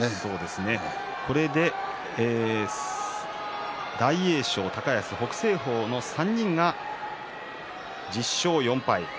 これで大栄翔、高安北青鵬の３人が１０勝４敗。